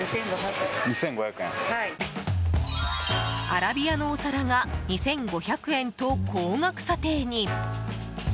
アラビアのお皿が２５００円と高額査定に。